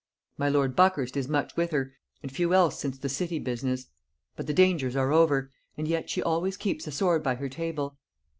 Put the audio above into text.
My lord Buckhurst is much with her, and few else since the city business; but the dangers are over, and yet she always keeps a sword by her table.